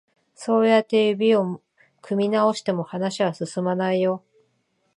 そうやって指を組み直しても、話は進まないよ。